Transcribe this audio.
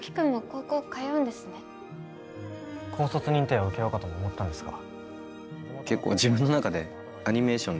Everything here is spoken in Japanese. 高卒認定を受けようかとも思ったんですが。